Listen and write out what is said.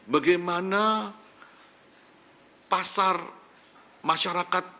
bagaimana pasar masyarakat